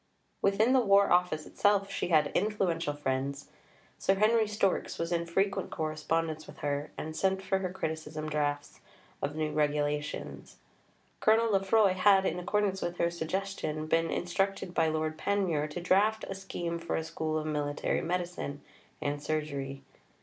Within the War Office itself, she had influential friends. Sir Henry Storks was in frequent correspondence with her, and sent for her criticism drafts of new Regulations. Colonel Lefroy had, in accordance with her suggestion, been instructed by Lord Panmure to draft a Scheme for a School of Military Medicine and Surgery.